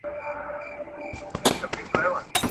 فلس بوټوم په دې اړه د الفرايد اېډلر